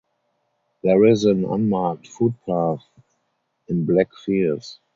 There is an unmarked footpath in Black Firs.